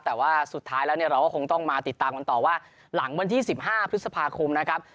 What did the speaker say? แต่ว่าสุดท้ายแล้วเนี่ยเราก็คงต้องมาติดตามกันต่อว่าหลังวันที่๑๕พฤษภาคมนะครับ